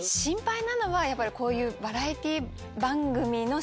なのはやっぱりこういう。